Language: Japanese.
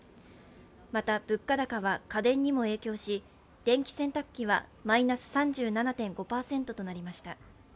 また、物価高は家電にも影響し、電気洗濯機はマイナス３７．５％となりました。